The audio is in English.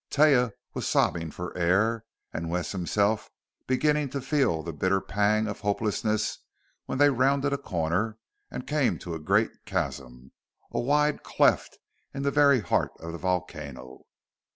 Taia was sobbing for air, and Wes himself beginning to feel the bitter pang of hopelessness when they rounded a corner and came to a great chasm a wide cleft in the very heart of the volcano.